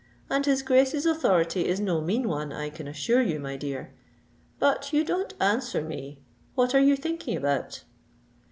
And his Grace's authority is no mean one, I can assure you, my dear. But you don't answer me: what are you thinking about?"